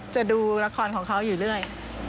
จะดูละครของเขาอยู่เรื่อย